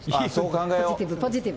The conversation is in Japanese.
ポジティブ、ポジティブ。